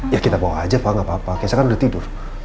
ya kita bawa aja pak gapapa keysnya kan udah tidur